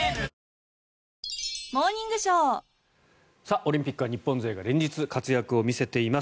オリンピックは日本勢が連日活躍を見せています。